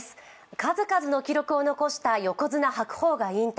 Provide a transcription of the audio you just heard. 数々の記録を残した横綱・白鵬が引退。